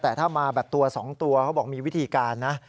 แต่ถ้ามาแบบตัว๒ตัวเขาบอกมีวิธีการนะ